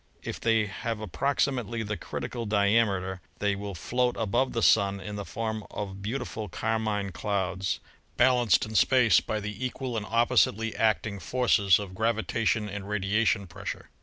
If they have approximately the criti cal diameter they will float above the Sun in the form of beautiful carmine clouds, balanced in space by the equal and oppositely acting forces of gravitation and radiation pressure.